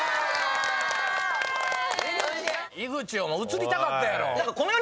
井口映りたかったんやろ。